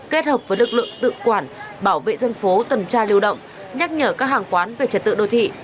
kết hợp với lực lượng tự quản bảo vệ dân phố tuần tra lưu động nhắc nhở các hàng quán về trật tự đô thị